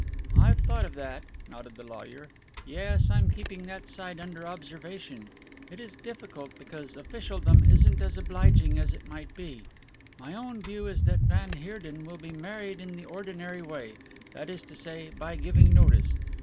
"I've thought of that," nodded the lawyer, "yes, I'm keeping that side under observation. It is difficult because officialdom isn't as obliging as it might be. My own view is that van Heerden will be married in the ordinary way, that is to say by giving notice.